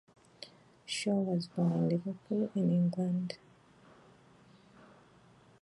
Shaw was born in Liverpool in England.